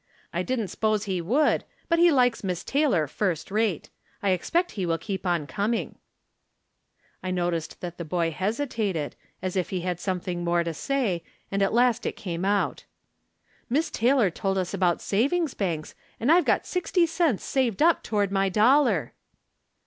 I didn't 'spose he would, but he likes Miss Taylor first rate. I ex pect he will keep on coming." I noticed that the boy hesitated, as if he had something more to say ; and at last it came out. 158 From Different Standpoints. "Miss Taylor told us about savings banks, and I've got sixty cents saved up toward my dollar